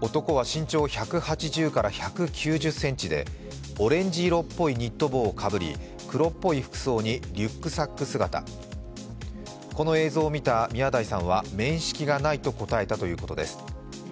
男は身長１８０から１９０ｃｍでオレンジ色っぽいニット帽をかぶり、黒っぽい服装にリュックサック姿、この映像を見た宮台さんは、面識がないと答えたということです。